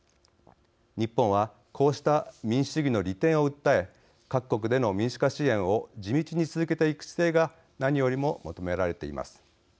日本は、こうした民主主義の利点を訴え各国での民主化支援を地道に続けていく姿勢が何よりも求められています。